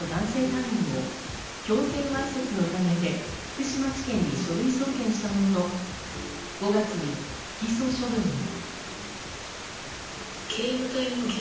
隊員を強制わいせつの疑いで福島地検に書類送検したものの、５月に不起訴処分に。